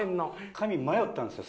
髪迷ったんですよ